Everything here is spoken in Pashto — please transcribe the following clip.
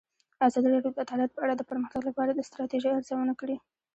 ازادي راډیو د عدالت په اړه د پرمختګ لپاره د ستراتیژۍ ارزونه کړې.